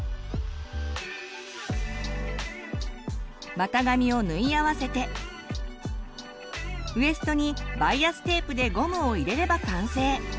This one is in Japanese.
股上を縫い合わせてウエストにバイアステープでゴムを入れれば完成。